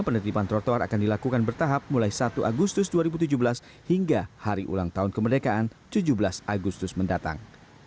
penertiban trotoar akan dilakukan bertahap mulai satu agustus dua ribu tujuh belas hingga hari ulang tahun kemerdekaan tujuh belas agustus mendatang